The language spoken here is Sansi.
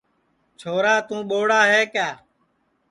چھورا توں ٻوڑ ہے کیا